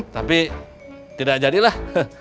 tapi tidak jadilah